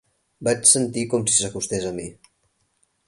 Vaig sentir com si s'acostés a mi.